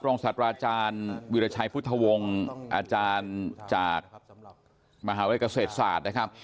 ศาสตราอาจารย์วิราชัยพุทธวงศ์อาจารย์จากมหาวิทยาลัยเกษตรศาสตร์นะครับ